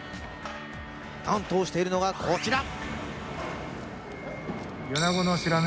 担当しているのが、こちら。